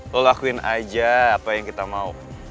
lo lakuin aja apa yang kita mau